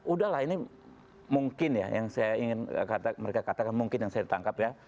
udahlah ini mungkin ya yang saya ingin mereka katakan mungkin yang saya tangkap ya